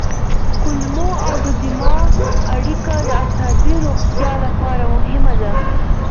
کولمو او دماغ اړیکه د عصبي روغتیا لپاره مهمه ده.